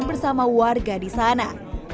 dan bersama warga di sana